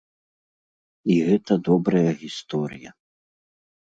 І гэта добрая гісторыя.